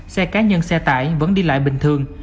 xe cá nhân xe tải vẫn đi lại bình thường